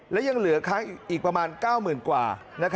และยังเหลือค้างอีกประมาณ๙๐๐๐กว่า